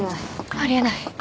あり得ない。